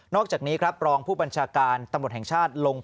อกจากนี้ครับรองผู้บัญชาการตำรวจแห่งชาติลง